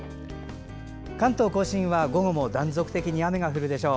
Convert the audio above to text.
関東・甲信は午後も断続的に雨が降るでしょう。